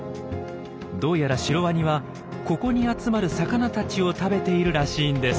どうやらシロワニはここに集まる魚たちを食べているらしいんです。